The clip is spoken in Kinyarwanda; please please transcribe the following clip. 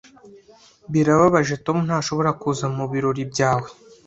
Birababaje Tom ntashobora kuza mubirori byawe.